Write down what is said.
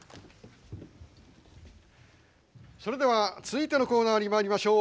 それでは続いてのコーナーにまいりましょう。